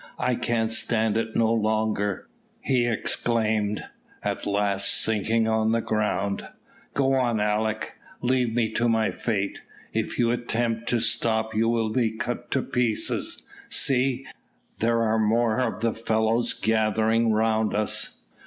"I can stand it no longer," he exclaimed, at last sinking on the ground. "Go on, Alick. Leave me to my fate. If you attempt to stop you will be cut to pieces. See, there are more of the fellows gathering round us."